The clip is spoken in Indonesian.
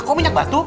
kok minyak batu